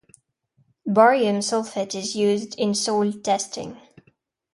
Barium sulfate is used in soil testing.